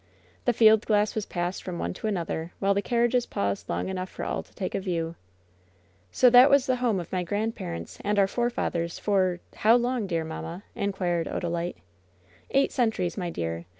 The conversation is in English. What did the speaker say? The field glass was passed from one to another, while the carriages paused long enough for all to take a view. "So that was the home of my grandparents and of our forefathers for — ^how long, dear mamma ?" inquired Odalite. "Eight centuries, my dear.